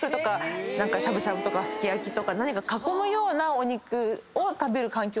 ⁉しゃぶしゃぶとかすき焼きとか何か囲むようなお肉を食べる環境をつくると。